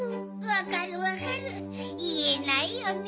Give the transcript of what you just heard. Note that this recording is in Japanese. わかるわかるいえないよね。